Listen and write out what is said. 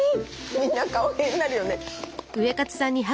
みんな顔芸になるよね。